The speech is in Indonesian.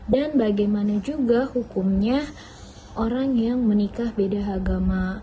dan bagaimana juga hukumnya orang yang menikah beda agama